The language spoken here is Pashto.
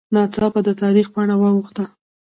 ناڅاپه د تاریخ پاڼه واوښته